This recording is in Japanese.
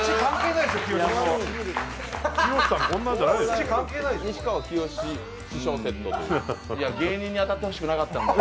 いや、芸人に当たってほしくなかったんだよ。